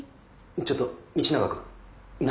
ちょっと道永君何？